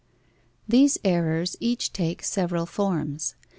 These errors each take several forms.